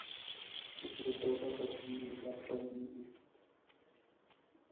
زه چې بېرته هوټل ته تلم، یوه بس ته ور نږدې شوم.